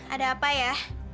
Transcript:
ada apa ya